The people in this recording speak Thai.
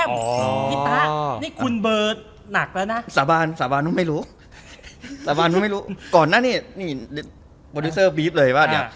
พี่ป๊านี่คุณเบอร์หนักแล้วนะสาบานสาบานนู้นไม่รู้สาบานนู้นไม่รู้ก่อนหน้านี้นี่โปรดิวเซอร์บี๊ดเลยว่าเนี่ย